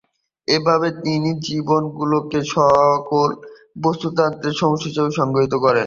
এভাবে তিনি জীবমণ্ডলকে সকল বাস্তুতন্ত্রের সমষ্টি হিসেবে সংজ্ঞায়িত করেন।